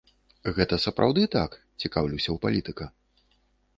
Гэта сапраўды так, цікаўлюся ў палітыка?